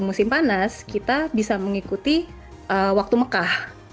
musim panas kita bisa mengikuti waktu mekah